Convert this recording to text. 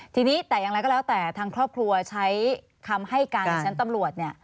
ทีนี้แต่อย่างไรก็แล้วแต่ทางครอบครัวใช้คำให้การในชั้นตำรวจเนี่ย